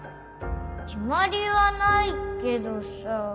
きまりはないけどさ。